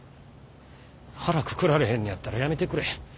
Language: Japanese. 腹くくられへんのやったら辞めてくれ。